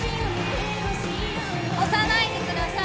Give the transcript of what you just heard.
押さないでください！